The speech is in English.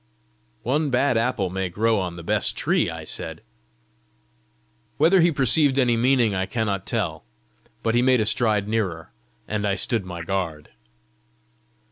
"One bad apple may grow on the best tree," I said. Whether he perceived my meaning I cannot tell, but he made a stride nearer, and I stood on my guard.